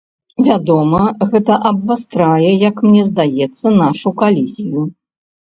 Вядома, гэта абвастрае, як мне здаецца, нашу калізію.